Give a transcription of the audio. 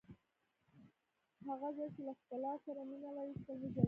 هغه زړه چې له ښکلا سره مینه لري هېڅکله نه زړیږي.